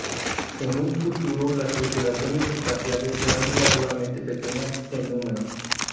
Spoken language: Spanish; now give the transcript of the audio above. En un futuro, las tripulaciones espaciales serán relativamente pequeñas en número.